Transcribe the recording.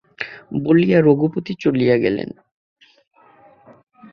বলিয়া রঘুপতি চলিয়া গেলেন।